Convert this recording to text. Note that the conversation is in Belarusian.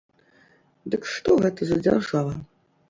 Дык што гэта за дзяржава?